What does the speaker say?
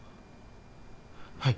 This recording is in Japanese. はい。